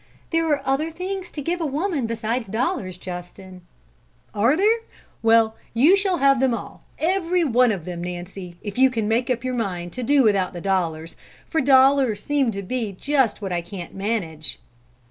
"There are other things to give a woman besides dollars, Justin." "Are there? Well, you shall have them all, every one of them, Nancy, if you can make up your mind to do without the dollars; for dollars seem to be just what I can't manage."